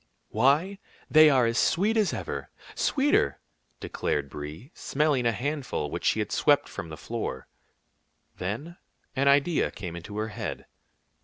"Why, they are as sweet as ever, sweeter," declared Brie, smelling a handful which she had swept from the floor. Then an idea came into her head.